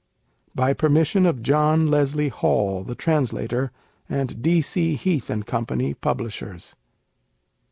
By permission of John Leslie Hall, the Translator, and D.C. Heath & Co., Publishers.